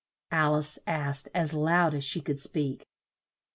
Al ice asked as loud as she could speak.